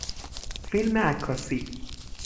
فیلم عکاسی